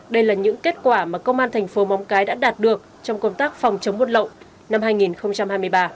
đây là những kết quả mà công an thành phố móng cái đã đạt được trong công tác phòng chống buôn lậu năm hai nghìn hai mươi ba